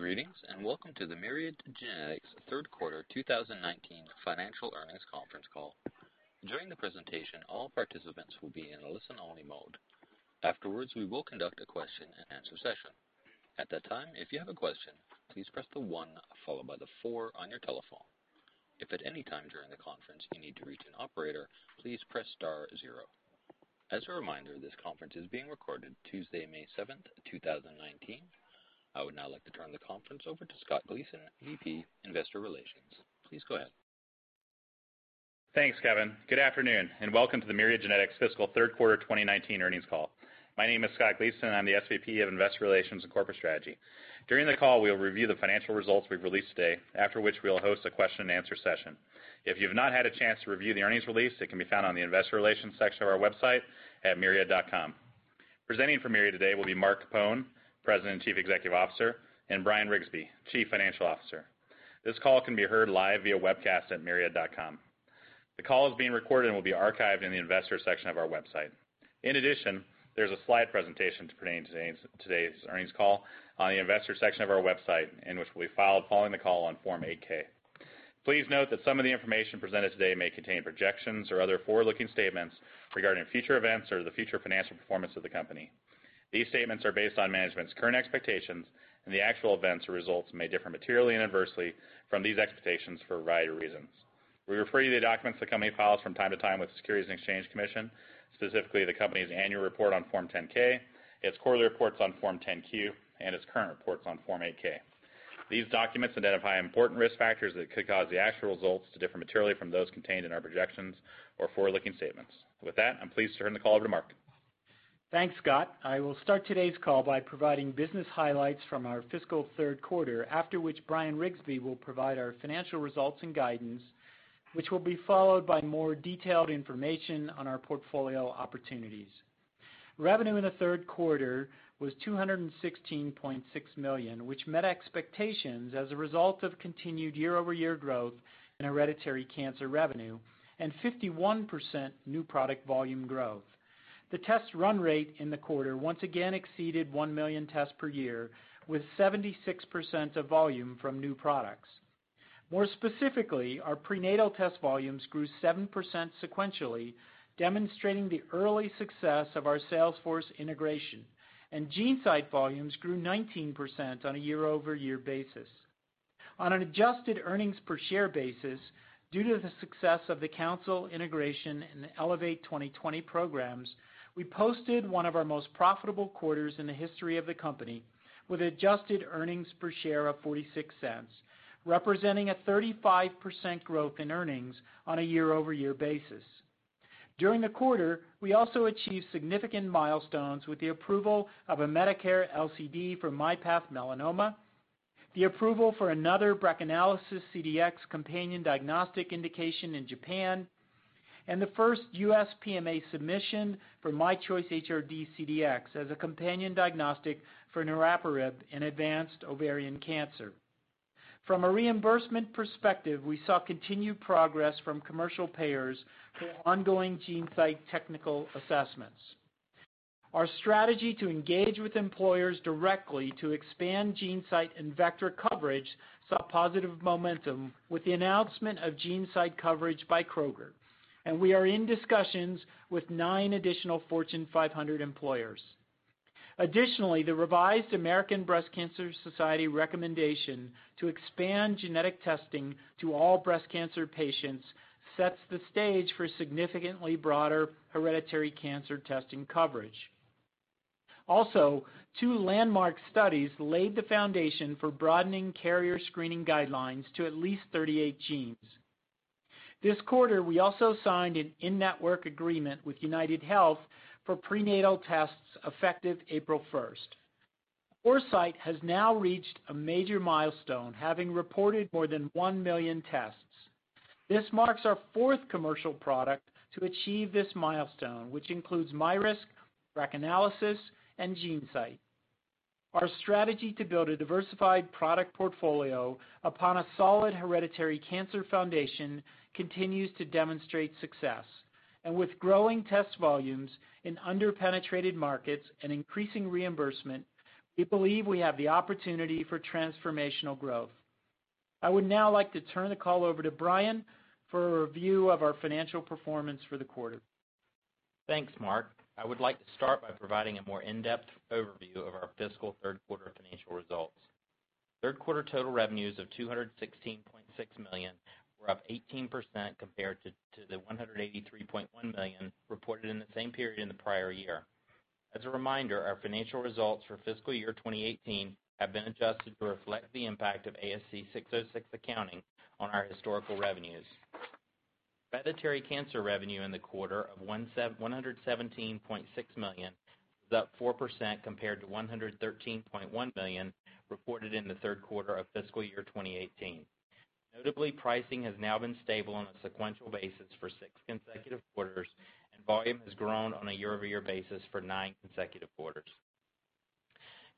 Greetings, welcome to the Myriad Genetics third quarter 2019 financial earnings conference call. During the presentation, all participants will be in a listen-only mode. Afterwards, we will conduct a question and answer session. At that time, if you have a question, please press one followed by four on your telephone. If at any time during the conference you need to reach an operator, please press star zero. As a reminder, this conference is being recorded Tuesday, May 7, 2019. I would now like to turn the conference over to Scott Gleason, VP Investor Relations. Please go ahead. Thanks, Kevin. Good afternoon, welcome to the Myriad Genetics fiscal third quarter 2019 earnings call. My name is Scott Gleason. I'm the SVP of Investor Relations and Corporate Strategy. During the call, we'll review the financial results we've released today, after which we'll host a question and answer session. If you've not had a chance to review the earnings release, it can be found on the investor relations section of our website at myriad.com. Presenting for Myriad today will be Mark Capone, President, Chief Executive Officer, R. Bryan Riggsbee, Chief Financial Officer. This call can be heard live via webcast at myriad.com. The call is being recorded and will be archived in the investors section of our website. In addition, there's a slide presentation pertaining to today's earnings call on the investor section of our website, which will be filed following the call on Form 8-K. Please note that some of the information presented today may contain projections or other forward-looking statements regarding future events or the future financial performance of the company. These statements are based on management's current expectations, the actual events or results may differ materially and adversely from these expectations for a variety of reasons. We refer you to the documents the company files from time to time with the Securities and Exchange Commission, specifically the company's annual report on Form 10-K, its quarterly reports on Form 10-Q, its current reports on Form 8-K. These documents identify important risk factors that could cause the actual results to differ materially from those contained in our projections or forward-looking statements. With that, I'm pleased to turn the call over to Mark. Thanks, Scott. I will start today's call by providing business highlights from our fiscal third quarter, after which R. Bryan Riggsbee will provide our financial results and guidance, which will be followed by more detailed information on our portfolio opportunities. Revenue in the third quarter was $216.6 million, which met expectations as a result of continued year-over-year growth in hereditary cancer revenue and 51% new product volume growth. The test run rate in the quarter once again exceeded 1 million tests per year, with 76% of volume from new products. More specifically, our prenatal test volumes grew 7% sequentially, demonstrating the early success of our sales force integration, GeneSight volumes grew 19% on a year-over-year basis. On an adjusted earnings per share basis, due to the success of the Counsyl integration and the Elevate 2020 programs, we posted one of our most profitable quarters in the history of the company, with adjusted earnings per share of $0.46, representing a 35% growth in earnings on a year-over-year basis. During the quarter, we also achieved significant milestones with the approval of a Medicare LCD for myPath Melanoma, the approval for another BRACAnalysis CDx companion diagnostic indication in Japan, and the first U.S. PMA submission for myChoice HRD CDx as a companion diagnostic for niraparib in advanced ovarian cancer. From a reimbursement perspective, we saw continued progress from commercial payers through ongoing GeneSight technical assessments. Our strategy to engage with employers directly to expand GeneSight and Vectra coverage saw positive momentum with the announcement of GeneSight coverage by Kroger, and we are in discussions with nine additional Fortune 500 employers. Additionally, the revised American Society of Breast Surgeons recommendation to expand genetic testing to all breast cancer patients sets the stage for significantly broader hereditary cancer testing coverage. Also, two landmark studies laid the foundation for broadening carrier screening guidelines to at least 38 genes. This quarter, we also signed an in-network agreement with UnitedHealthcare for prenatal tests effective April 1st. Foresight has now reached a major milestone, having reported more than 1 million tests. This marks our fourth commercial product to achieve this milestone, which includes myRisk, BRACAnalysis, and GeneSight. Our strategy to build a diversified product portfolio upon a solid hereditary cancer foundation continues to demonstrate success. With growing test volumes in under-penetrated markets and increasing reimbursement, we believe we have the opportunity for transformational growth. I would now like to turn the call over to Bryan for a review of our financial performance for the quarter. Thanks, Mark. I would like to start by providing a more in-depth overview of our fiscal third quarter financial results. Third quarter total revenues of $216.6 million were up 18% compared to the $183.1 million reported in the same period in the prior year. As a reminder, our financial results for fiscal year 2018 have been adjusted to reflect the impact of ASC 606 accounting on our historical revenues. Hereditary cancer revenue in the quarter of $117.6 million was up 4% compared to $113.1 million reported in the third quarter of fiscal year 2018. Notably, pricing has now been stable on a sequential basis for six consecutive quarters, and volume has grown on a year-over-year basis for nine consecutive quarters.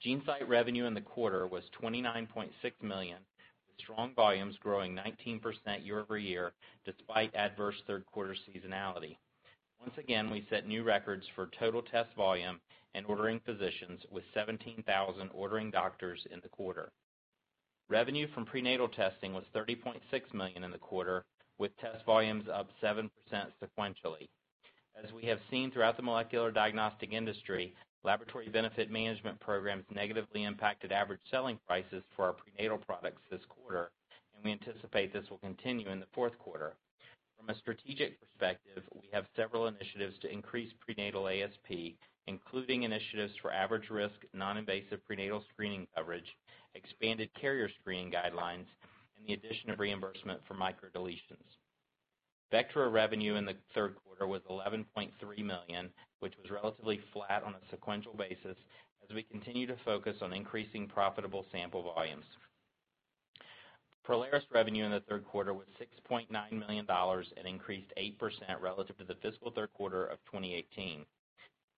GeneSight revenue in the quarter was $29.6 million, with strong volumes growing 19% year-over-year despite adverse third-quarter seasonality. Once again, we set new records for total test volume and ordering physicians with 17,000 ordering doctors in the quarter. Revenue from prenatal testing was $30.6 million in the quarter, with test volumes up 7% sequentially. As we have seen throughout the molecular diagnostic industry, laboratory benefit management programs negatively impacted average selling prices for our prenatal products this quarter, and we anticipate this will continue in the fourth quarter. From a strategic perspective, we have several initiatives to increase prenatal ASP, including initiatives for average risk, non-invasive prenatal screening coverage, expanded carrier screening guidelines, and the addition of reimbursement for microdeletions. Vectra revenue in the third quarter was $11.3 million, which was relatively flat on a sequential basis as we continue to focus on increasing profitable sample volumes. Prolaris revenue in the third quarter was $6.9 million and increased 8% relative to the fiscal third quarter of 2018.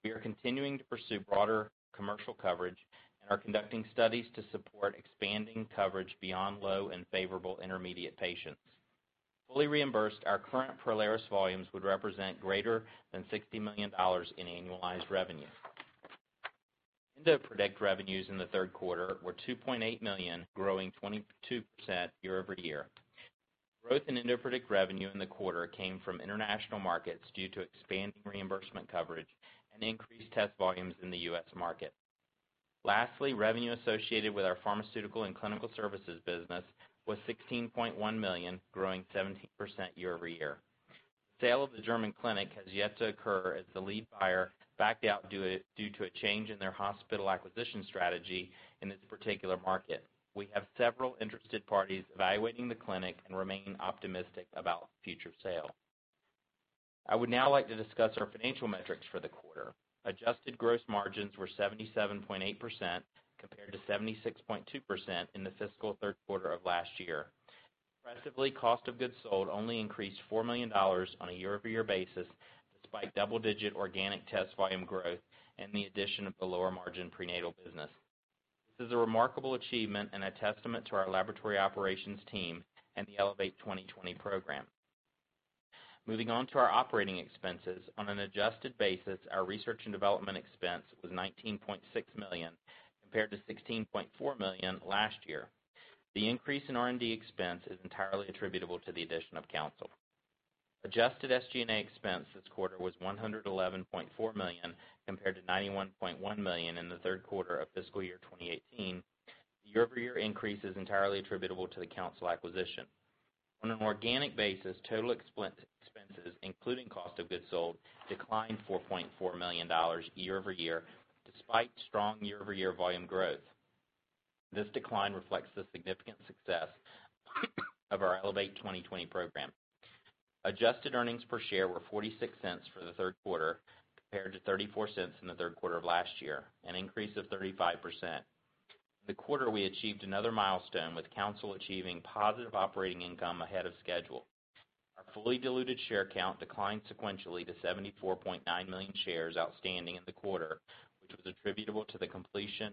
We are continuing to pursue broader commercial coverage and are conducting studies to support expanding coverage beyond low and favorable intermediate patients. Fully reimbursed, our current Prolaris volumes would represent greater than $60 million in annualized revenue. EndoPredict revenues in the third quarter were $2.8 million, growing 22% year-over-year. Growth in EndoPredict revenue in the quarter came from international markets due to expanding reimbursement coverage and increased test volumes in the U.S. market. Lastly, revenue associated with our pharmaceutical and clinical services business was $16.1 million, growing 17% year-over-year. Sale of the German clinic has yet to occur as the lead buyer backed out due to a change in their hospital acquisition strategy in this particular market. We have several interested parties evaluating the clinic and remain optimistic about future sale. I would now like to discuss our financial metrics for the quarter. Adjusted gross margins were 77.8%, compared to 76.2% in the fiscal third quarter of last year. Impressively, cost of goods sold only increased $4 million on a year-over-year basis, despite double-digit organic test volume growth and the addition of the lower-margin prenatal business. This is a remarkable achievement and a testament to our laboratory operations team and the Elevate 2020 program. Moving on to our operating expenses. On an adjusted basis, our research and development expense was $19.6 million, compared to $16.4 million last year. The increase in R&D expense is entirely attributable to the addition of Counsyl. Adjusted SG&A expense this quarter was $111.4 million, compared to $91.1 million in the third quarter of fiscal year 2018. The year-over-year increase is entirely attributable to the Counsyl acquisition. On an organic basis, total expenses, including cost of goods sold, declined $4.4 million year-over-year, despite strong year-over-year volume growth. This decline reflects the significant success of our Elevate 2020 program. Adjusted earnings per share were $0.46 for the third quarter, compared to $0.34 in the third quarter of last year, an increase of 35%. In the quarter, we achieved another milestone, with Counsyl achieving positive operating income ahead of schedule. Our fully diluted share count declined sequentially to 74.9 million shares outstanding in the quarter, which was attributable to the completion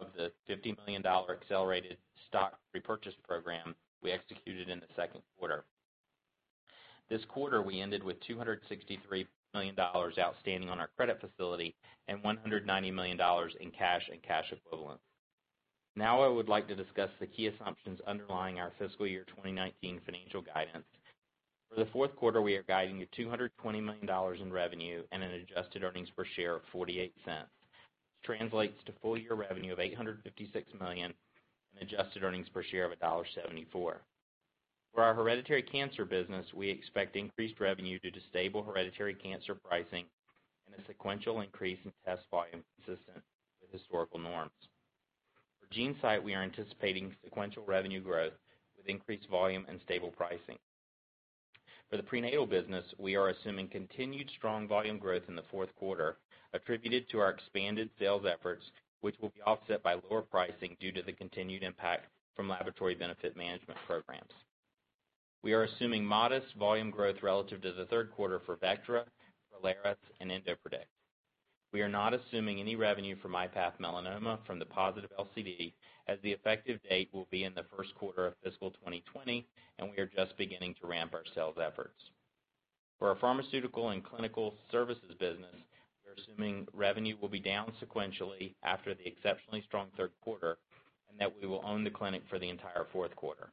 of the $50 million accelerated stock repurchase program we executed in the second quarter. This quarter, we ended with $263 million outstanding on our credit facility and $190 million in cash and cash equivalents. Now I would like to discuss the key assumptions underlying our fiscal year 2019 financial guidance. For the fourth quarter, we are guiding to $220 million in revenue and an adjusted earnings per share of $0.48. This translates to full-year revenue of $856 million and adjusted earnings per share of $1.74. For our hereditary cancer business, we expect increased revenue due to stable hereditary cancer pricing and a sequential increase in test volume consistent with historical norms. For GeneSight, we are anticipating sequential revenue growth with increased volume and stable pricing. For the prenatal business, we are assuming continued strong volume growth in the fourth quarter attributed to our expanded sales efforts, which will be offset by lower pricing due to the continued impact from laboratory benefit management programs. We are assuming modest volume growth relative to the third quarter for Vectra, Prolaris, and EndoPredict. We are not assuming any revenue from myPath Melanoma from the positive LCD as the effective date will be in the first quarter of fiscal 2020, and we are just beginning to ramp our sales efforts. For our pharmaceutical and clinical services business, we are assuming revenue will be down sequentially after the exceptionally strong third quarter and that we will own the clinic for the entire fourth quarter.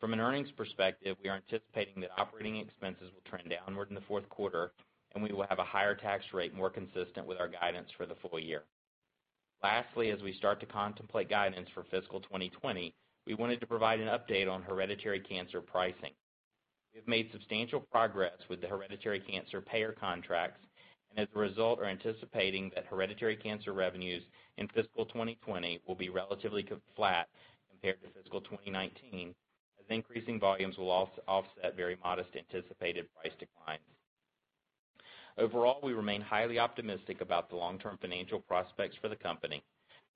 From an earnings perspective, we are anticipating that operating expenses will trend downward in the fourth quarter, and we will have a higher tax rate more consistent with our guidance for the full year. Lastly, as we start to contemplate guidance for fiscal 2020, we wanted to provide an update on hereditary cancer pricing. We have made substantial progress with the hereditary cancer payer contracts and as a result, are anticipating that hereditary cancer revenues in fiscal 2020 will be relatively flat compared to fiscal 2019, as increasing volumes will offset very modest anticipated price declines. Overall, we remain highly optimistic about the long-term financial prospects for the company.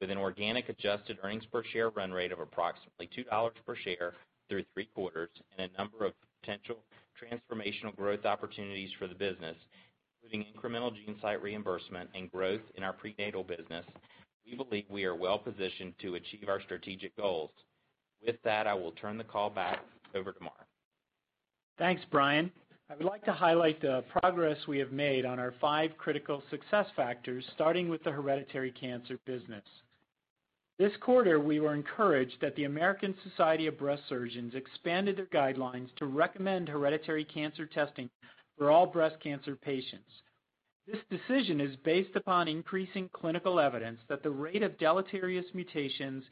With an organic adjusted earnings per share run rate of approximately $2 per share through three quarters and a number of potential transformational growth opportunities for the business, including incremental GeneSight reimbursement and growth in our prenatal business, we believe we are well-positioned to achieve our strategic goals. With that, I will turn the call back over to Mark. Thanks, Bryan. I would like to highlight the progress we have made on our five critical success factors, starting with the hereditary cancer business. This quarter, we were encouraged that the American Society of Breast Surgeons expanded their guidelines to recommend hereditary cancer testing for all breast cancer patients. This decision is based upon increasing clinical evidence that the rate of deleterious mutations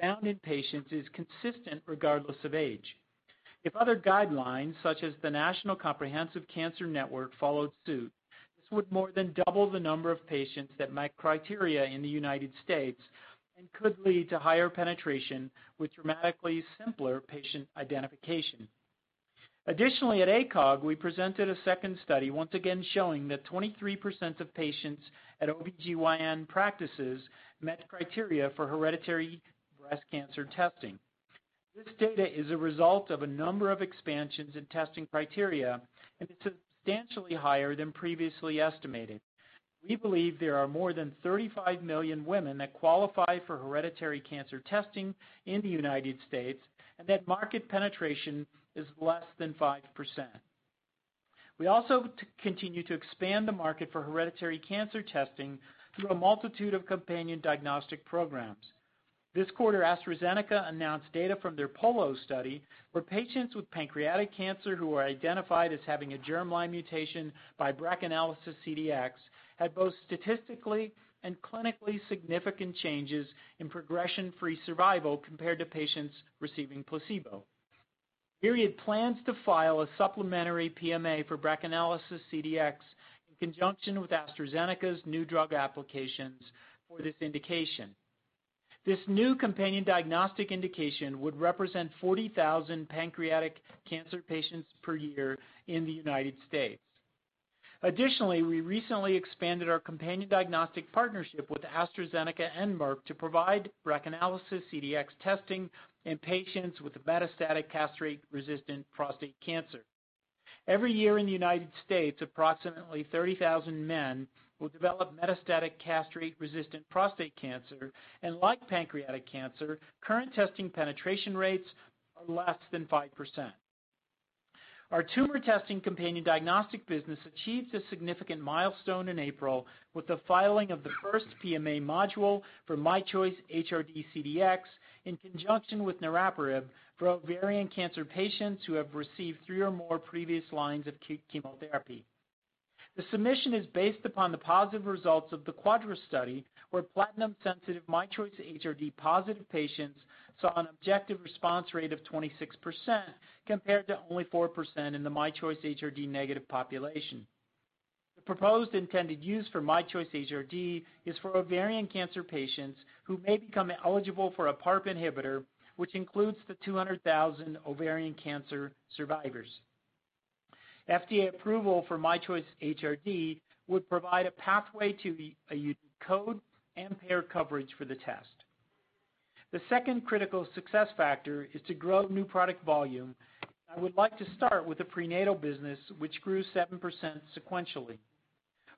found in patients is consistent regardless of age. If other guidelines, such as the National Comprehensive Cancer Network, followed suit, this would more than double the number of patients that meet criteria in the United States and could lead to higher penetration with dramatically simpler patient identification. Additionally, at ACOG, we presented a second study, once again showing that 23% of patients at OBGYN practices met criteria for hereditary breast cancer testing. This data is a result of a number of expansions in testing criteria and is substantially higher than previously estimated. We believe there are more than 35 million women that qualify for hereditary cancer testing in the U.S., and that market penetration is less than 5%. We also continue to expand the market for hereditary cancer testing through a multitude of companion diagnostic programs. This quarter, AstraZeneca announced data from their POLO study, where patients with pancreatic cancer who were identified as having a germline mutation by BRACAnalysis CDx had both statistically and clinically significant changes in progression-free survival compared to patients receiving placebo. Myriad plans to file a supplementary PMA for BRACAnalysis CDx in conjunction with AstraZeneca's new drug applications for this indication. This new companion diagnostic indication would represent 40,000 pancreatic cancer patients per year in the U.S. Additionally, we recently expanded our companion diagnostic partnership with AstraZeneca and Merck to provide BRACAnalysis CDx testing in patients with metastatic castrate-resistant prostate cancer. Every year in the U.S., approximately 30,000 men will develop metastatic castrate-resistant prostate cancer, and like pancreatic cancer, current testing penetration rates are less than 5%. Our tumor testing companion diagnostic business achieved a significant milestone in April with the filing of the first PMA module for myChoice HRD CDx in conjunction with niraparib for ovarian cancer patients who have received 3 or more previous lines of chemotherapy. The submission is based upon the positive results of the QUADRA study, where platinum-sensitive myChoice HRD-positive patients saw an objective response rate of 26%, compared to only 4% in the myChoice HRD-negative population. The proposed intended use for myChoice HRD is for ovarian cancer patients who may become eligible for a PARP inhibitor, which includes the 200,000 ovarian cancer survivors. FDA approval for myChoice HRD would provide a pathway to a unique code and payer coverage for the test. The second critical success factor is to grow new product volume. I would like to start with the prenatal business, which grew 7% sequentially.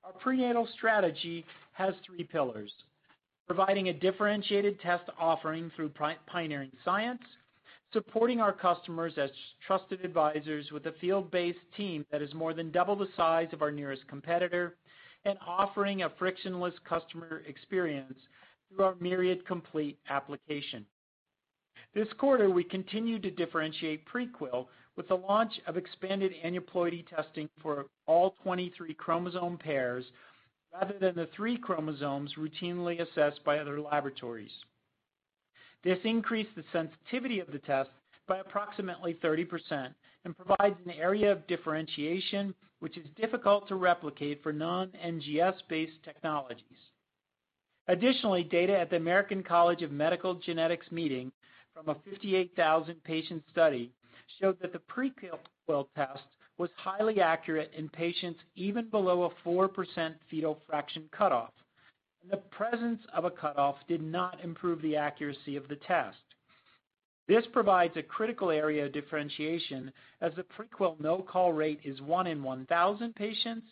Our prenatal strategy has 3 pillars, providing a differentiated test offering through pioneering science, supporting our customers as trusted advisors with a field-based team that is more than double the size of our nearest competitor, and offering a frictionless customer experience through our Myriad Complete application. This quarter, we continued to differentiate Prequel with the launch of expanded aneuploidy testing for all 23 chromosome pairs, rather than the 3 chromosomes routinely assessed by other laboratories. This increased the sensitivity of the test by approximately 30% and provides an area of differentiation which is difficult to replicate for non-NGS-based technologies. Additionally, data at the American College of Medical Genetics and Genomics meeting from a 58,000-patient study showed that the Prequel test was highly accurate in patients even below a 4% fetal fraction cutoff, and the presence of a cutoff did not improve the accuracy of the test. This provides a critical area of differentiation as the Prequel no-call rate is one in 1,000 patients,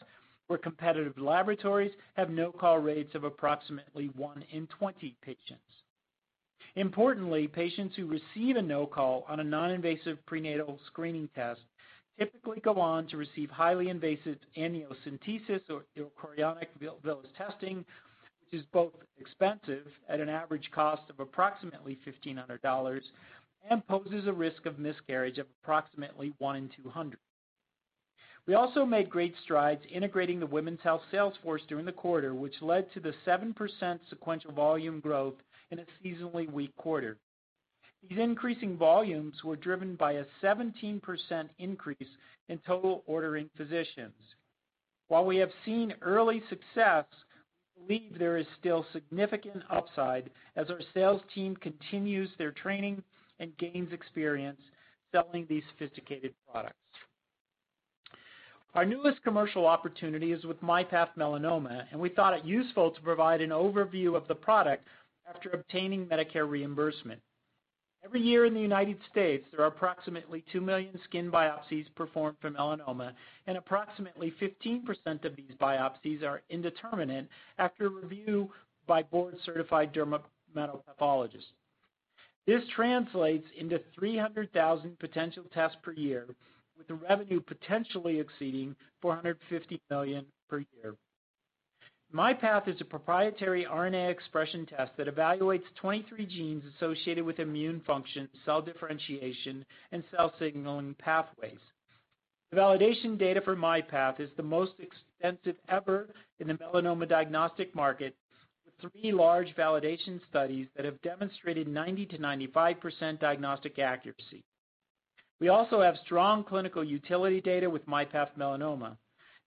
where competitive laboratories have no-call rates of approximately one in 20 patients. Importantly, patients who receive a no-call on a non-invasive prenatal screening test typically go on to receive highly invasive amniocentesis or chorionic villus testing, which is both expensive at an average cost of approximately $1,500 and poses a risk of miscarriage of approximately one in 200. We also made great strides integrating the women's health sales force during the quarter, which led to the 7% sequential volume growth in a seasonally weak quarter. These increasing volumes were driven by a 17% increase in total ordering physicians. While we have seen early success, we believe there is still significant upside as our sales team continues their training and gains experience selling these sophisticated products. Our newest commercial opportunity is with myPath Melanoma, and we thought it useful to provide an overview of the product after obtaining Medicare reimbursement. Every year in the U.S., there are approximately 2 million skin biopsies performed for melanoma, and approximately 15% of these biopsies are indeterminate after review by board-certified dermatopathologists. This translates into 300,000 potential tests per year, with the revenue potentially exceeding $450 million per year. myPath is a proprietary RNA expression test that evaluates 23 genes associated with immune function, cell differentiation, and cell signaling pathways. The validation data for myPath is the most extensive ever in the melanoma diagnostic market, with three large validation studies that have demonstrated 90%-95% diagnostic accuracy. We also have strong clinical utility data with myPath Melanoma.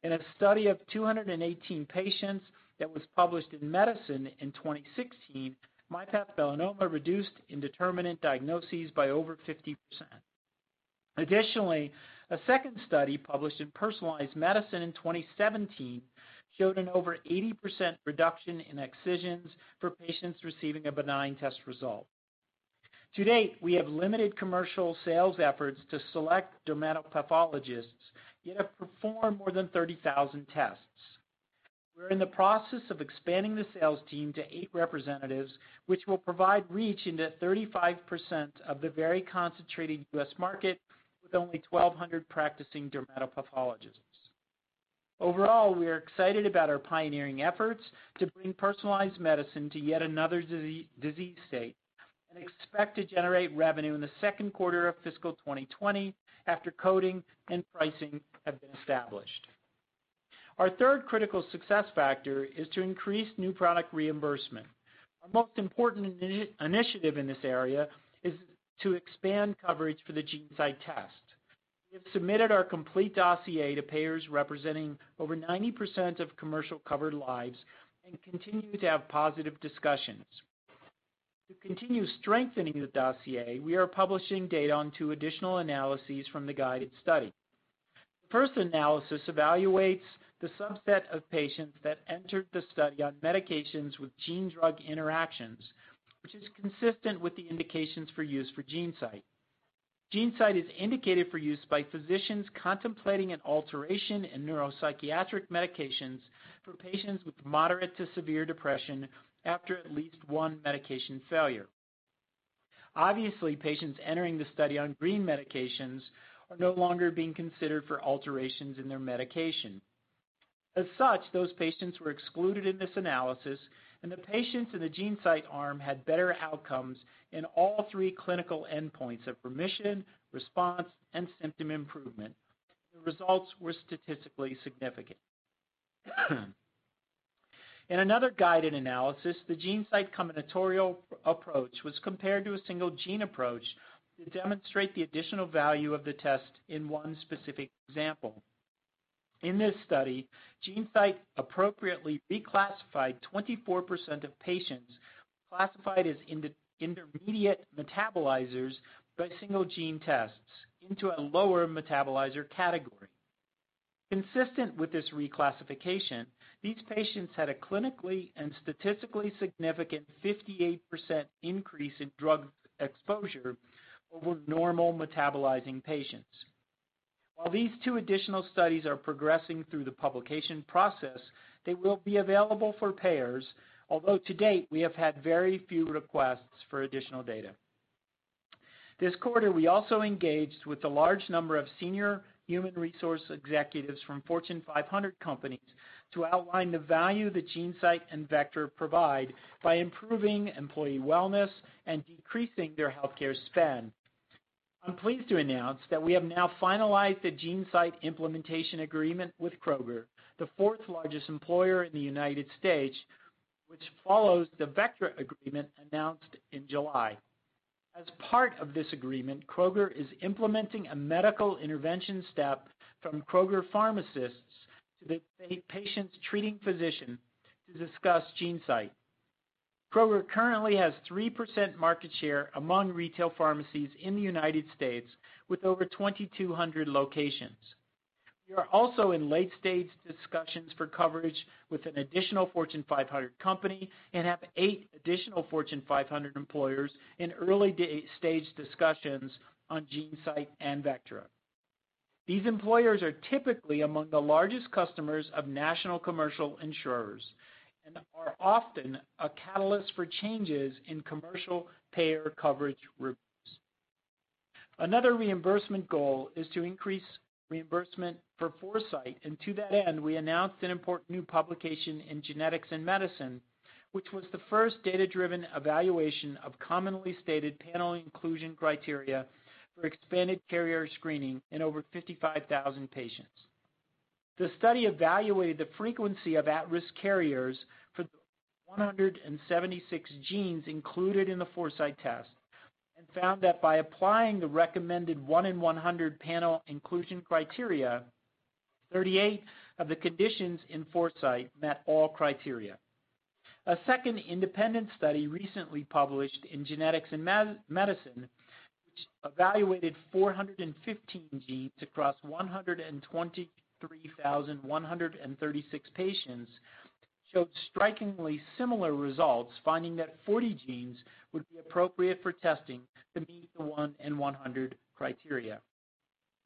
In a study of 218 patients that was published in "Medicine" in 2016, myPath Melanoma reduced indeterminate diagnoses by over 50%. Additionally, a second study published in "Personalized Medicine" in 2017 showed an over 80% reduction in excisions for patients receiving a benign test result. To date, we have limited commercial sales efforts to select dermatopathologists, yet have performed more than 30,000 tests. We're in the process of expanding the sales team to eight representatives, which will provide reach into 35% of the very concentrated U.S. market, with only 1,200 practicing dermatopathologists. Overall, we are excited about our pioneering efforts to bring personalized medicine to yet another disease state, and expect to generate revenue in the second quarter of fiscal 2020 after coding and pricing have been established. Our third critical success factor is to increase new product reimbursement. Our most important initiative in this area is to expand coverage for the GeneSight test. We have submitted our complete dossier to payers representing over 90% of commercial covered lives and continue to have positive discussions. To continue strengthening the dossier, we are publishing data on two additional analyses from the GUIDED study. The first analysis evaluates the subset of patients that entered the study on medications with gene-drug interactions, which is consistent with the indications for use for GeneSight. GeneSight is indicated for use by physicians contemplating an alteration in neuropsychiatric medications for patients with moderate to severe depression after at least one medication failure. Obviously, patients entering the study on green medications are no longer being considered for alterations in their medication. As such, those patients were excluded in this analysis, and the patients in the GeneSight arm had better outcomes in all three clinical endpoints of remission, response, and symptom improvement. The results were statistically significant. In another GUIDED analysis, the GeneSight combinatorial approach was compared to a single gene approach to demonstrate the additional value of the test in one specific example. In this study, GeneSight appropriately declassified 24% of patients classified as intermediate metabolizers by single gene tests into a lower metabolizer category. Consistent with this reclassification, these patients had a clinically and statistically significant 58% increase in drug exposure over normal metabolizing patients. While these two additional studies are progressing through the publication process, they will be available for payers, although to date, we have had very few requests for additional data. This quarter, we also engaged with a large number of senior human resource executives from Fortune 500 companies to outline the value that GeneSight and Vectra provide by improving employee wellness and decreasing their healthcare spend. I'm pleased to announce that we have now finalized the GeneSight implementation agreement with Kroger, the fourth-largest employer in the U.S., which follows the Vectra agreement announced in July. As part of this agreement, Kroger is implementing a medical intervention step from Kroger pharmacists to the patient's treating physician to discuss GeneSight. Kroger currently has 3% market share among retail pharmacies in the U.S. with over 2,200 locations. We are also in late-stage discussions for coverage with an additional Fortune 500 company and have eight additional Fortune 500 employers in early-stage discussions on GeneSight and Vectra. These employers are typically among the largest customers of national commercial insurers and are often a catalyst for changes in commercial payer coverage groups. Another reimbursement goal is to increase reimbursement for Foresight, and to that end, we announced an important new publication in "Genetics in Medicine," which was the first data-driven evaluation of commonly stated panel inclusion criteria for expanded carrier screening in over 55,000 patients. The study evaluated the frequency of at-risk carriers for the 176 genes included in the Foresight test and found that by applying the recommended one in 100 panel inclusion criteria, 38 of the conditions in Foresight met all criteria. A second independent study recently published in "Genetics in Medicine," which evaluated 415 genes across 123,136 patients, showed strikingly similar results, finding that 40 genes would be appropriate for testing to meet the one in 100 criteria.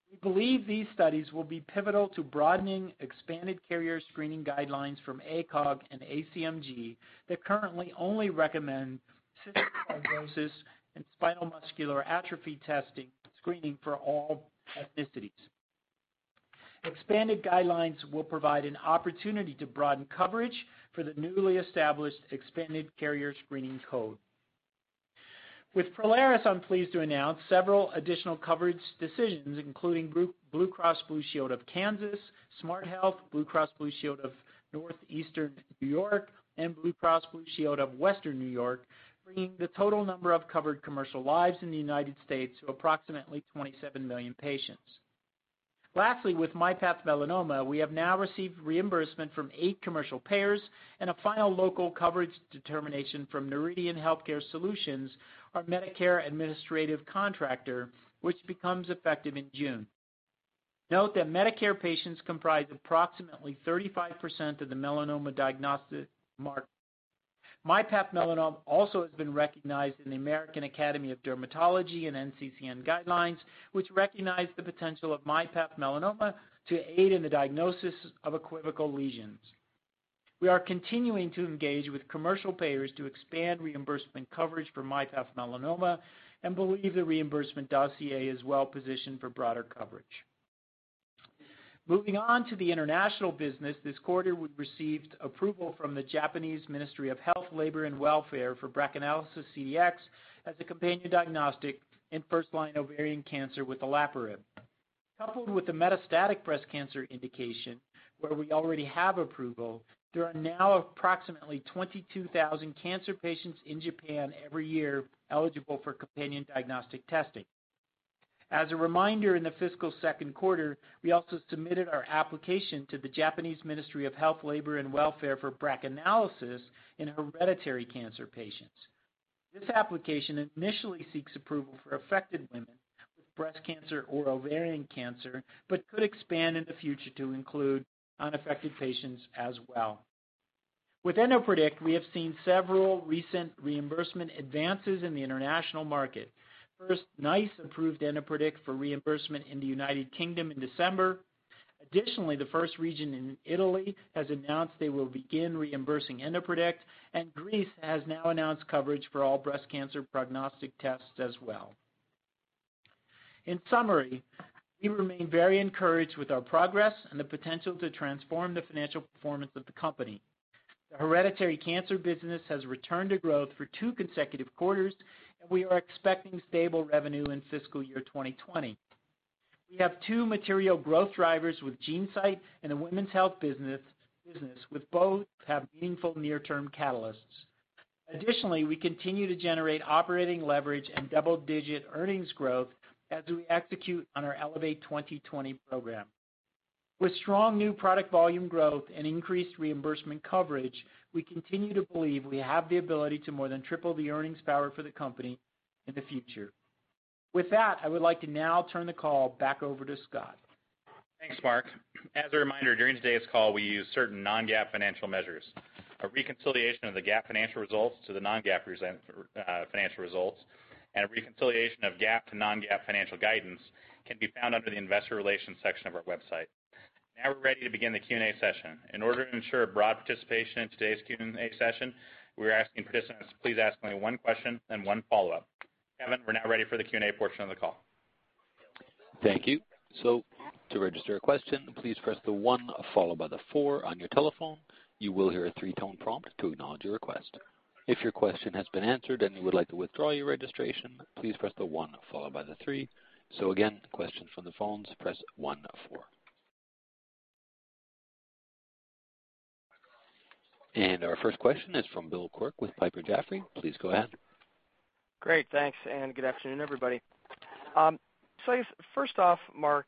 We believe these studies will be pivotal to broadening expanded carrier screening guidelines from ACOG and ACMG that currently only recommend cystic fibrosis and spinal muscular atrophy testing screening for all ethnicities. Expanded guidelines will provide an opportunity to broaden coverage for the newly established expanded carrier screening code. With Prolaris, I'm pleased to announce several additional coverage decisions, including Blue Cross Blue Shield of Kansas, Smart Health, Blue Cross Blue Shield of Northeastern New York, and Blue Cross Blue Shield of Western New York, bringing the total number of covered commercial lives in the U.S. to approximately 27 million patients. Lastly, with myPath Melanoma, we have now received reimbursement from eight commercial payers and a final local coverage determination from Noridian Healthcare Solutions, our Medicare administrative contractor, which becomes effective in June. Note that Medicare patients comprise approximately 35% of the melanoma diagnostic market. MyPath Melanoma also has been recognized in the American Academy of Dermatology and NCCN guidelines, which recognize the potential of myPath Melanoma to aid in the diagnosis of equivocal lesions. We are continuing to engage with commercial payers to expand reimbursement coverage for myPath Melanoma and believe the reimbursement dossier is well positioned for broader coverage. Moving on to the international business, this quarter we received approval from the Japanese Ministry of Health, Labour and Welfare for BRACAnalysis CDx as a companion diagnostic in first-line ovarian cancer with olaparib. Coupled with the metastatic breast cancer indication, where we already have approval, there are now approximately 22,000 cancer patients in Japan every year eligible for companion diagnostic testing. As a reminder, in the fiscal second quarter, we also submitted our application to the Japanese Ministry of Health, Labour, and Welfare for BRACAnalysis in hereditary cancer patients. This application initially seeks approval for affected women with breast cancer or ovarian cancer, but could expand in the future to include unaffected patients as well. With EndoPredict, we have seen several recent reimbursement advances in the international market. First, NICE approved EndoPredict for reimbursement in the United Kingdom in December. Additionally, the first region in Italy has announced they will begin reimbursing EndoPredict, and Greece has now announced coverage for all breast cancer prognostic tests as well. In summary, we remain very encouraged with our progress and the potential to transform the financial performance of the company. The hereditary cancer business has returned to growth for two consecutive quarters, and we are expecting stable revenue in fiscal year 2020. We have two material growth drivers with GeneSight and the women's health business, with both have meaningful near-term catalysts. Additionally, we continue to generate operating leverage and double-digit earnings growth as we execute on our Elevate 2020 program. With strong new product volume growth and increased reimbursement coverage, we continue to believe we have the ability to more than triple the earnings power for the company in the future. With that, I would like to now turn the call back over to Scott. Thanks, Mark. As a reminder, during today's call, we use certain non-GAAP financial measures. A reconciliation of the GAAP financial results to the non-GAAP financial results and a reconciliation of GAAP to non-GAAP financial guidance can be found under the Investor Relations section of our website. Now we are ready to begin the Q&A session. In order to ensure broad participation in today's Q&A session, we are asking participants to please ask only one question and one follow-up. Kevin, we are now ready for the Q&A portion of the call. Thank you. To register a question, please press the one followed by the four on your telephone. You will hear a three-tone prompt to acknowledge your request. If your question has been answered and you would like to withdraw your registration, please press the one followed by the three. Again, questions from the phones, press one, four. Our first question is from William Quirk with Piper Jaffray. Please go ahead. Great. Thanks, good afternoon, everybody. I guess first off, Mark,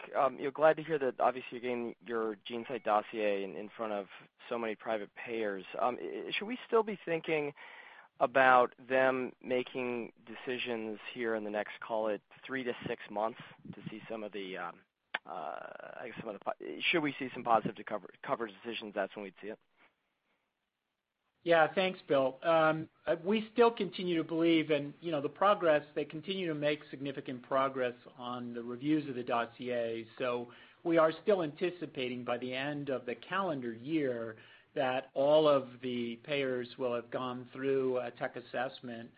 glad to hear that obviously you're getting your GeneSight dossier in front of so many private payers. Should we still be thinking about them making decisions here in the next, call it three to six months, should we see some positive coverage decisions, that's when we'd see it? Yeah. Thanks, Bill. We still continue to believe in the progress. They continue to make significant progress on the reviews of the dossier. We are still anticipating by the end of the calendar year that all of the payers will have gone through a tech assessment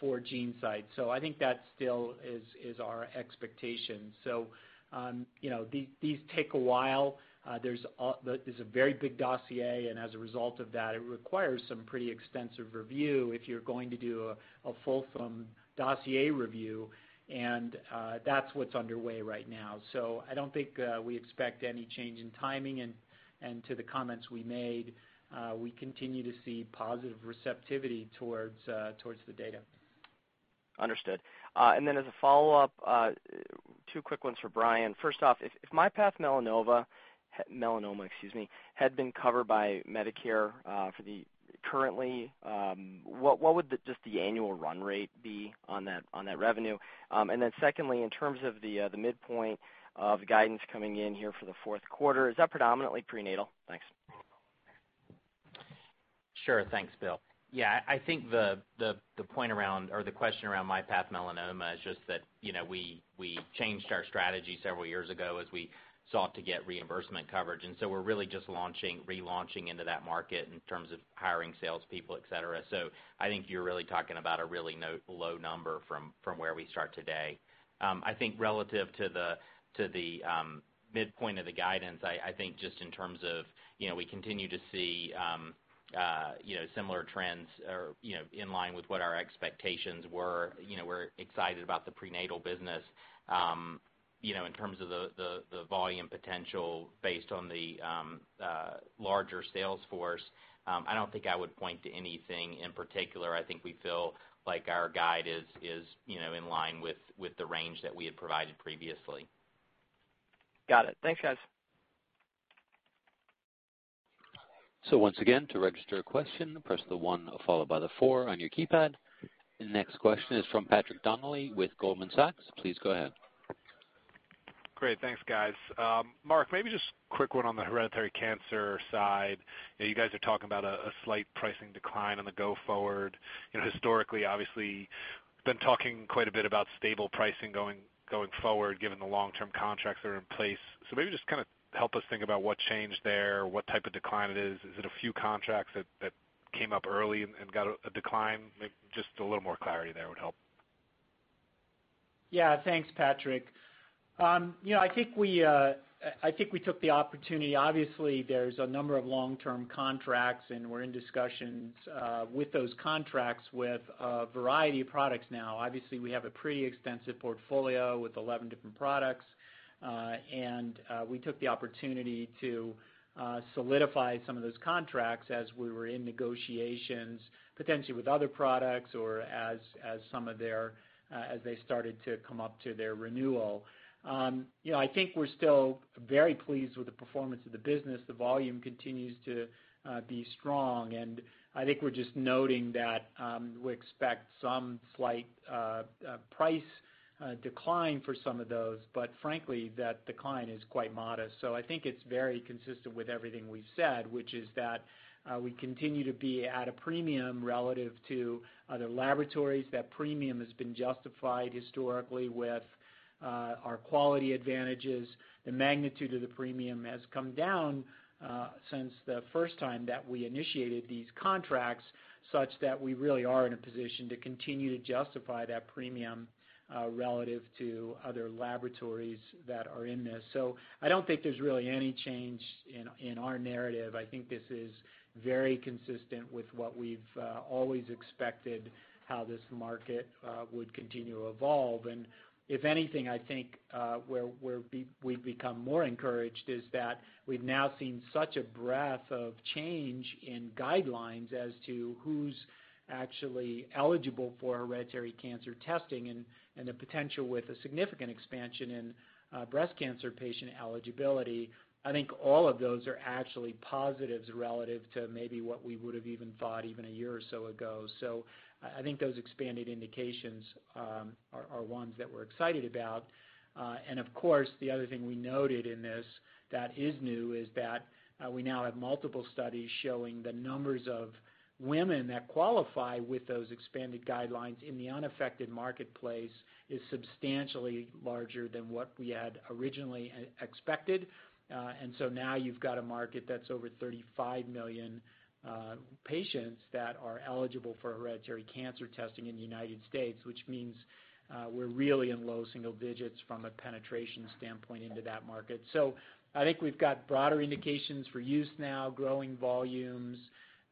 for GeneSight. I think that still is our expectation. These take a while. There's a very big dossier, as a result of that, it requires some pretty extensive review if you're going to do a fulsome dossier review, that's what's underway right now. I don't think we expect any change in timing, to the comments we made, we continue to see positive receptivity towards the data. Understood. As a follow-up, two quick ones for Bryan. First off, if myPath Melanoma had been covered by Medicare for the currently, what would just the annual run rate be on that revenue? Secondly, in terms of the midpoint of guidance coming in here for the fourth quarter, is that predominantly prenatal? Thanks. Sure. Thanks, Bill. I think the point around or the question around myPath Melanoma is just that we changed our strategy several years ago as we sought to get reimbursement coverage. We're really just relaunching into that market in terms of hiring salespeople, et cetera. I think you're really talking about a really low number from where we start today. I think relative to the midpoint of the guidance, I think just in terms of we continue to see similar trends or in line with what our expectations were. We're excited about the prenatal business. In terms of the volume potential based on the larger sales force, I don't think I would point to anything in particular. I think we feel like our guide is in line with the range that we had provided previously. Got it. Thanks, guys. Once again, to register a question, press the one followed by the four on your keypad. The next question is from Patrick Donnelly with Goldman Sachs. Please go ahead. Great. Thanks, guys. Mark, maybe just a quick one on the hereditary cancer side. You guys are talking about a slight pricing decline on the go forward. Historically, obviously, been talking quite a bit about stable pricing going forward, given the long-term contracts that are in place. Maybe just kind of help us think about what changed there, what type of decline it is. Is it a few contracts that came up early and got a decline? Maybe just a little more clarity there would help. Yeah. Thanks, Patrick. I think we took the opportunity. Obviously, there is a number of long-term contracts, and we are in discussions with those contracts with a variety of products now. Obviously, we have a pretty extensive portfolio with 11 different products. We took the opportunity to solidify some of those contracts as we were in negotiations, potentially with other products or as they started to come up to their renewal. I think we are still very pleased with the performance of the business. The volume continues to be strong, and I think we are just noting that we expect some slight price decline for some of those, but frankly, that decline is quite modest. I think it is very consistent with everything we have said, which is that we continue to be at a premium relative to other laboratories. That premium has been justified historically with our quality advantages. The magnitude of the premium has come down since the first time that we initiated these contracts, such that we really are in a position to continue to justify that premium relative to other laboratories that are in this. I don't think there is really any change in our narrative. I think this is very consistent with what we have always expected, how this market would continue to evolve. If anything, I think where we have become more encouraged is that we have now seen such a breadth of change in guidelines as to who is actually eligible for hereditary cancer testing and the potential with a significant expansion in breast cancer patient eligibility. I think all of those are actually positives relative to maybe what we would have even thought even a year or so ago. I think those expanded indications are ones that we are excited about. Of course, the other thing we noted in this that is new is that we now have multiple studies showing the numbers of women that qualify with those expanded guidelines in the unaffected marketplace is substantially larger than what we had originally expected. Now you have got a market that is over 35 million patients that are eligible for hereditary cancer testing in the UnitedHealthcare States, which means we are really in low single digits from a penetration standpoint into that market. I think we have got broader indications for use now, growing volumes.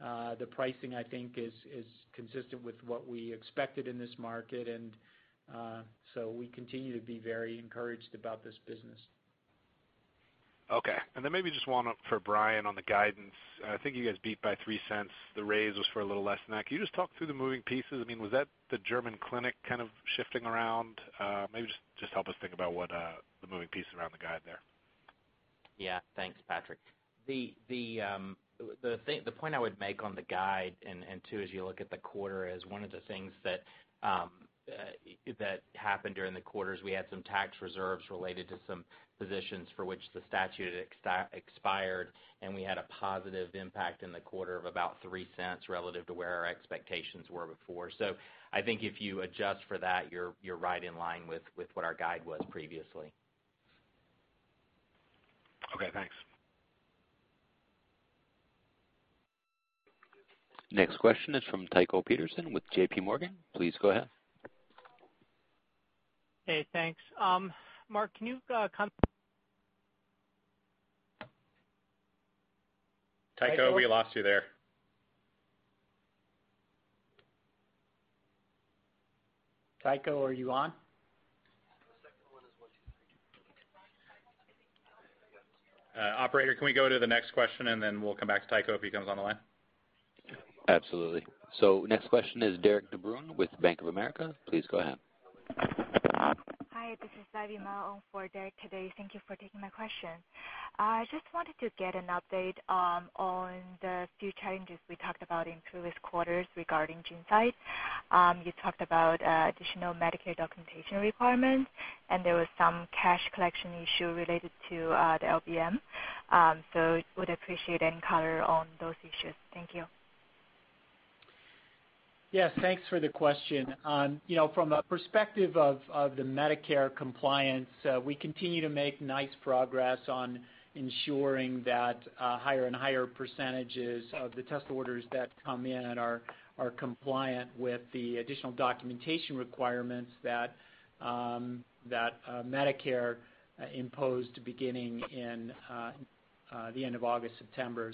The pricing, I think, is consistent with what we expected in this market, and we continue to be very encouraged about this business. Okay. Then maybe just one for Bryan on the guidance. I think you guys beat by $0.03. The raise was for a little less than that. Can you just talk through the moving pieces? Was that the German clinic kind of shifting around? Maybe just help us think about what the moving pieces around the guide there. Thanks, Patrick. The point I would make on the guide and too, as you look at the quarter, is one of the things that happened during the quarter is we had some tax reserves related to some positions for which the statute had expired, and we had a positive impact in the quarter of about $0.03 relative to where our expectations were before. I think if you adjust for that, you're right in line with what our guide was previously. Okay, thanks. Next question is from Tycho Peterson with J.P. Morgan. Please go ahead. Hey, thanks. Mark, can you comment? Tycho, we lost you there. Tycho, are you on? The second one is one, two, three. Operator, can we go to the next question, and then we'll come back to Tycho if he comes on the line? Absolutely. Next question is Derik de Bruin with Bank of America. Please go ahead. Hi, this is [Lavi Mao] for Derik today. Thank you for taking my question. I just wanted to get an update on the few challenges we talked about in previous quarters regarding GeneSight. You talked about additional Medicare documentation requirements, and there was some cash collection issue related to the LBM. Would appreciate any color on those issues. Thank you. Yes, thanks for the question. From a perspective of the Medicare compliance, we continue to make nice progress on ensuring that higher and higher percentages of the test orders that come in are compliant with the additional documentation requirements that Medicare imposed beginning in the end of August, September.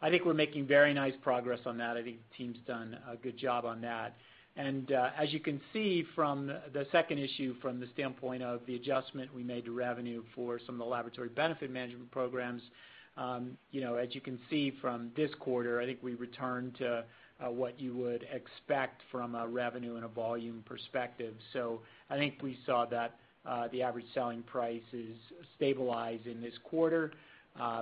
I think we're making very nice progress on that. I think the team's done a good job on that. As you can see from the second issue, from the standpoint of the adjustment we made to revenue for some of the laboratory benefit management programs, as you can see from this quarter, I think we returned to what you would expect from a revenue and a volume perspective. I think we saw that the average selling prices stabilize in this quarter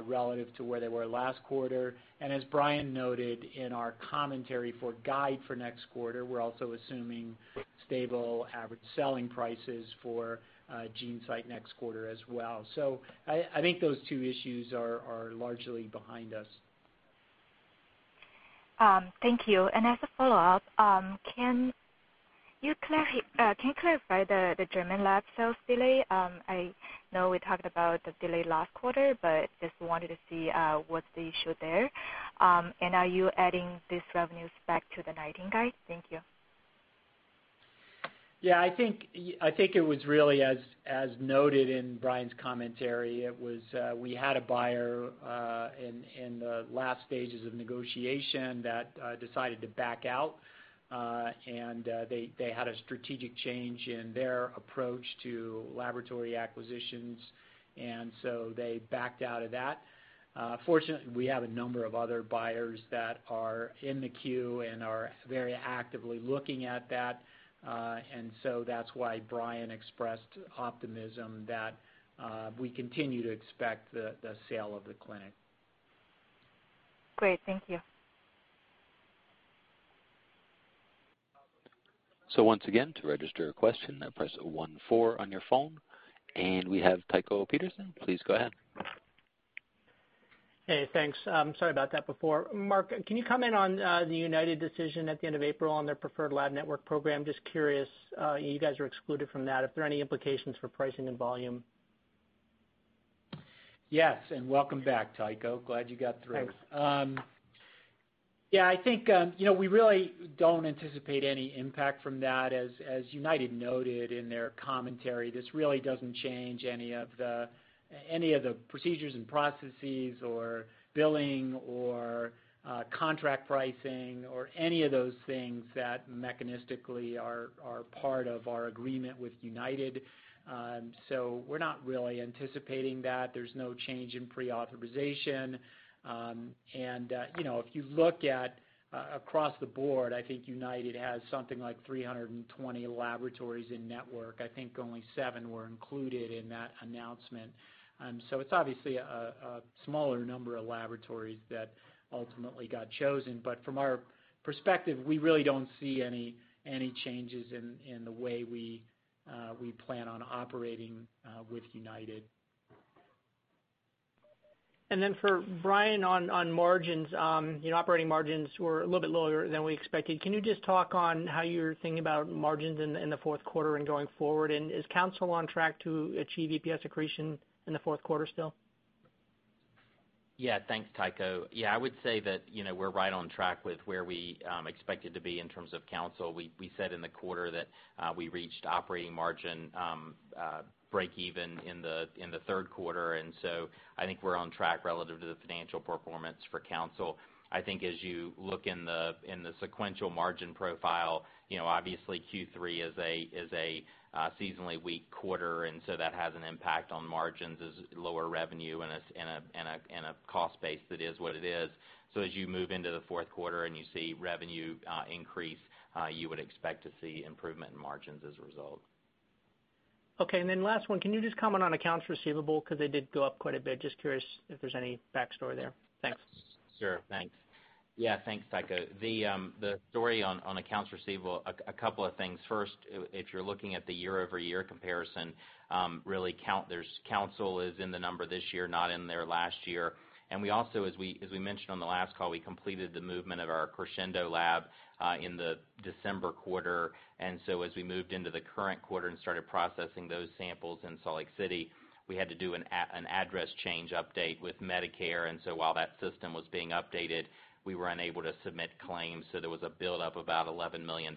relative to where they were last quarter. As Bryan noted in our commentary for guide for next quarter, we're also assuming stable average selling prices for GeneSight next quarter as well. I think those two issues are largely behind us. Thank you. As a follow-up, can you clarify the German lab sales delay? I know we talked about the delay last quarter, but just wanted to see what is the issue there. Are you adding these revenues back to the 2019 guide? Thank you. I think it was really as noted in Bryan's commentary, we had a buyer in the last stages of negotiation that decided to back out. They had a strategic change in their approach to laboratory acquisitions, so they backed out of that. Fortunately, we have a number of other buyers that are in the queue and are very actively looking at that. So that is why Bryan expressed optimism that we continue to expect the sale of the clinic. Great. Thank you. Once again, to register a question, press 1-4 on your phone. We have Tycho Peterson, please go ahead. Hey, thanks. Sorry about that before. Mark, can you comment on the UnitedHealthcare decision at the end of April on their Preferred Lab Network Program? Just curious, you guys are excluded from that, if there are any implications for pricing and volume. Yes, welcome back, Tycho. Glad you got through. Thanks. Yeah, I think, we really don't anticipate any impact from that. As UnitedHealthcare noted in their commentary, this really doesn't change any of the procedures and processes or billing or contract pricing or any of those things that mechanistically are part of our agreement with UnitedHealthcare. We're not really anticipating that. There's no change in pre-authorization. If you look at across the board, I think UnitedHealthcare has something like 320 laboratories in network. I think only seven were included in that announcement. It's obviously a smaller number of laboratories that ultimately got chosen. From our perspective, we really don't see any changes in the way we plan on operating with UnitedHealthcare. For Bryan, on margins. Operating margins were a little bit lower than we expected. Can you just talk on how you're thinking about margins in the fourth quarter and going forward? Is Counsyl on track to achieve EPS accretion in the fourth quarter still? Yeah, thanks, Tycho. Yeah, I would say that we're right on track with where we expected to be in terms of Counsyl. We said in the quarter that we reached operating margin breakeven in the third quarter. I think we're on track relative to the financial performance for Counsyl. I think as you look in the sequential margin profile, obviously Q3 is a seasonally weak quarter, and that has an impact on margins as lower revenue and a cost base that is what it is. As you move into the fourth quarter and you see revenue increase, you would expect to see improvement in margins as a result. Okay. Last one, can you just comment on accounts receivable because they did go up quite a bit. Just curious if there's any backstory there. Thanks. Sure. Thanks. Yeah, thanks, Tycho. The story on accounts receivable, a couple of things. First, if you're looking at the year-over-year comparison, really Counsyl is in the number this year, not in there last year. We also, as we mentioned on the last call, we completed the movement of our Crescendo lab in the December quarter. As we moved into the current quarter and started processing those samples in Salt Lake City, we had to do an address change update with Medicare. While that system was being updated, we were unable to submit claims. There was a buildup of about $11 million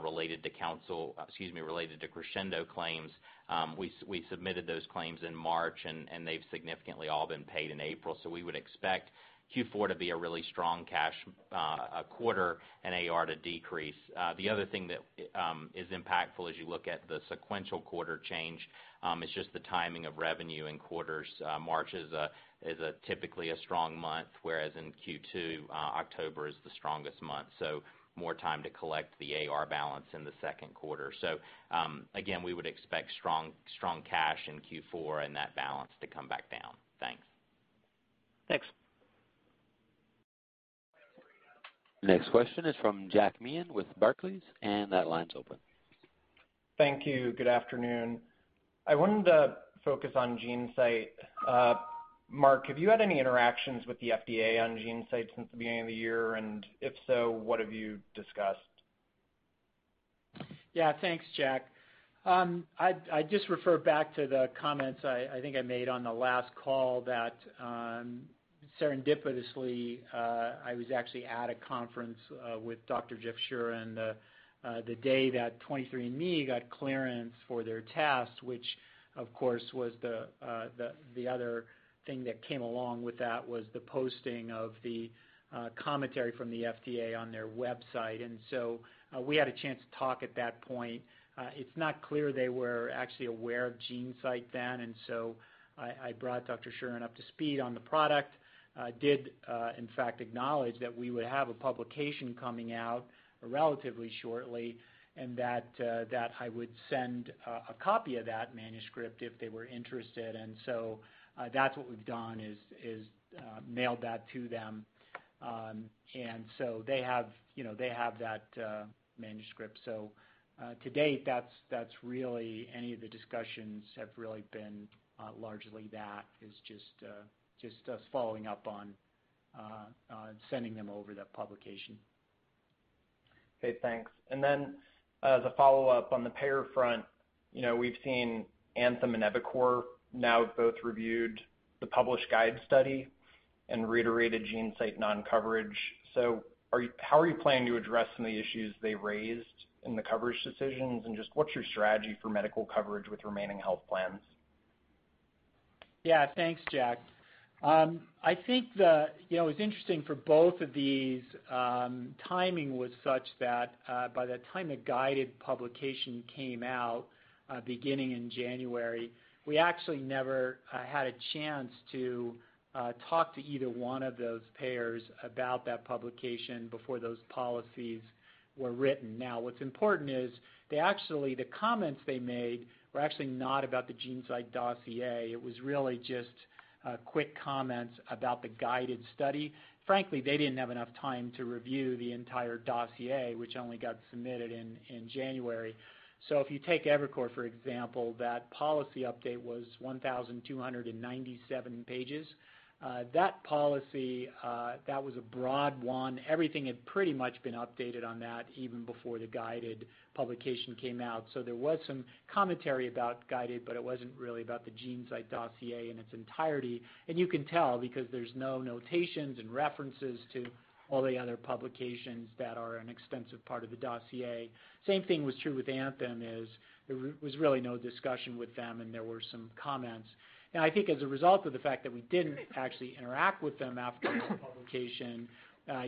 related to Crescendo claims. We submitted those claims in March, and they've significantly all been paid in April. We would expect Q4 to be a really strong cash quarter and AR to decrease. The other thing that is impactful as you look at the sequential quarter change is just the timing of revenue in quarters. March is typically a strong month, whereas in Q2, October is the strongest month. More time to collect the AR balance in the second quarter. Again, we would expect strong cash in Q4 and that balance to come back down. Thanks. Thanks. Next question is from Jack Meehan with Barclays. That line's open. Thank you. Good afternoon. I wanted to focus on GeneSight. Mark, have you had any interactions with the FDA on GeneSight since the beginning of the year? If so, what have you discussed? Yeah. Thanks, Jack. I'd just refer back to the comments I think I made on the last call that serendipitously, I was actually at a conference with Dr. Jeffrey Shuren the day that 23andMe got clearance for their test, which of course was the other thing that came along with that was the posting of the commentary from the FDA on their website. We had a chance to talk at that point. It's not clear they were actually aware of GeneSight then. I brought Dr. Shuren up to speed on the product. Did in fact acknowledge that we would have a publication coming out relatively shortly. I would send a copy of that manuscript if they were interested. That's what we've done is mailed that to them. They have that manuscript. To date, any of the discussions have really been largely that is just us following up on sending them over the publication. Okay, thanks. As a follow-up on the payer front, we've seen Anthem and eviCore now both reviewed the published GUIDED study and reiterated GeneSight non-coverage. How are you planning to address some of the issues they raised in the coverage decisions, and just what's your strategy for medical coverage with remaining health plans? Yeah. Thanks, Jack Meehan. I think it's interesting for both of these, timing was such that by the time the GUIDED publication came out beginning in January, we actually never had a chance to talk to either one of those payers about that publication before those policies were written. What's important is the comments they made were actually not about the GeneSight dossier. It was really just quick comments about the GUIDED study. Frankly, they didn't have enough time to review the entire dossier, which only got submitted in January. If you take eviCore, for example, that policy update was 1,297 pages. That policy, that was a broad one. Everything had pretty much been updated on that even before the GUIDED publication came out. There was some commentary about GUIDED, but it wasn't really about the GeneSight dossier in its entirety. You can tell, because there's no notations and references to all the other publications that are an extensive part of the dossier. Same thing was true with Anthem is there was really no discussion with them, and there were some comments. I think as a result of the fact that we didn't actually interact with them after this publication,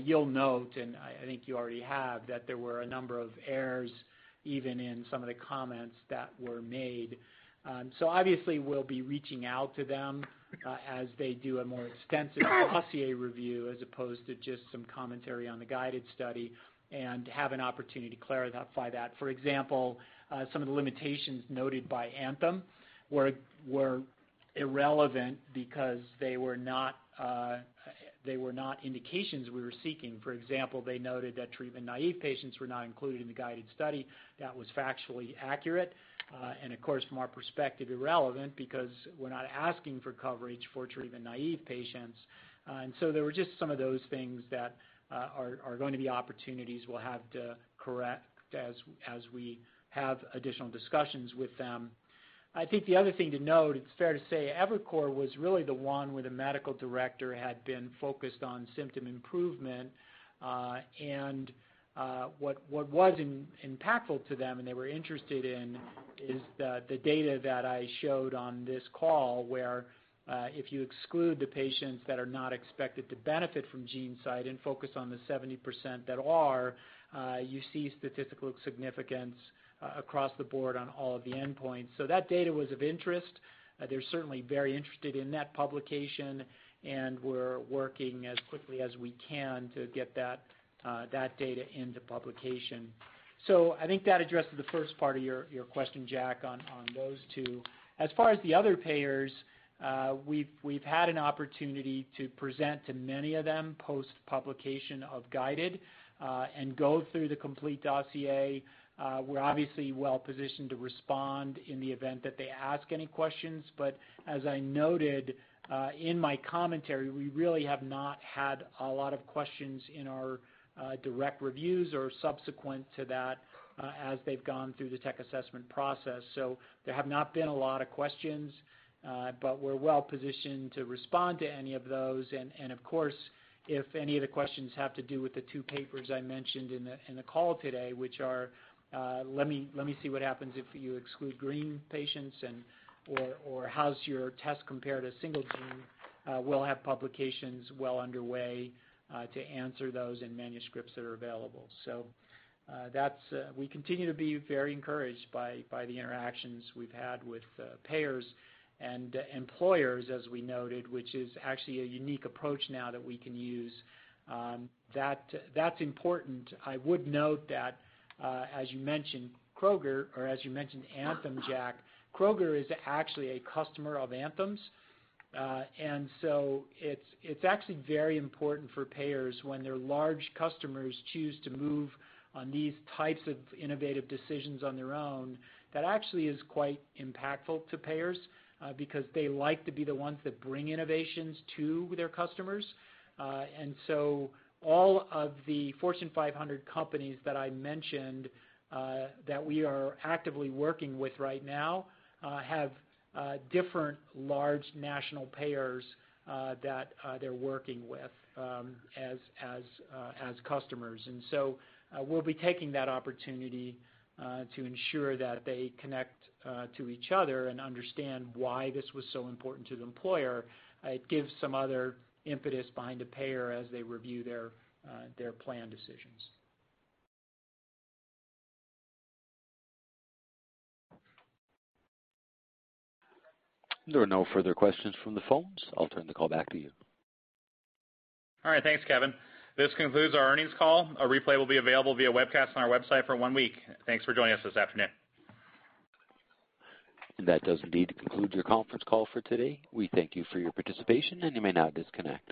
you'll note, and I think you already have, that there were a number of errors, even in some of the comments that were made. Obviously we'll be reaching out to them as they do a more extensive dossier review as opposed to just some commentary on the GUIDED study and have an opportunity to clarify that. For example, some of the limitations noted by Anthem were irrelevant because they were not indications we were seeking. For example, they noted that treatment-naive patients were not included in the GUIDED study. That was factually accurate. Of course, from our perspective, irrelevant because we're not asking for coverage for treatment-naive patients. There were just some of those things that are going to be opportunities we'll have to correct as we have additional discussions with them. I think the other thing to note, it's fair to say eviCore was really the one where the medical director had been focused on symptom improvement. What was impactful to them and they were interested in is the data that I showed on this call where if you exclude the patients that are not expected to benefit from GeneSight and focus on the 70% that are, you see statistical significance across the board on all of the endpoints. That data was of interest. They're certainly very interested in that publication, and we're working as quickly as we can to get that data into publication. I think that addresses the first part of your question, Jack, on those two. As far as the other payers, we've had an opportunity to present to many of them post-publication of GUIDED and go through the complete dossier. We're obviously well-positioned to respond in the event that they ask any questions. As I noted in my commentary, we really have not had a lot of questions in our direct reviews or subsequent to that as they've gone through the tech assessment process. There have not been a lot of questions, we're well-positioned to respond to any of those, and of course, if any of the questions have to do with the two papers I mentioned in the call today, which are let me see what happens if you exclude green patients or how's your test compare to single gene, we'll have publications well underway to answer those and manuscripts that are available. We continue to be very encouraged by the interactions we've had with payers and employers, as we noted, which is actually a unique approach now that we can use. That's important. I would note that as you mentioned Anthem, Jack, Kroger is actually a customer of Anthem's. It's actually very important for payers when their large customers choose to move on these types of innovative decisions on their own. That actually is quite impactful to payers because they like to be the ones that bring innovations to their customers. All of the Fortune 500 companies that I mentioned that we are actively working with right now have different large national payers that they're working with as customers. We'll be taking that opportunity to ensure that they connect to each other and understand why this was so important to the employer. It gives some other impetus behind a payer as they review their plan decisions. There are no further questions from the phones. I'll turn the call back to you. All right. Thanks, Scott Gleason. This concludes our earnings call. A replay will be available via webcast on our website for one week. Thanks for joining us this afternoon. That does indeed conclude your conference call for today. We thank you for your participation, and you may now disconnect.